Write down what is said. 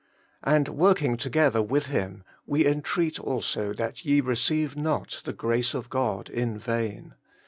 And working together with Him we intreat also that ye receive not the grace of God in vain.'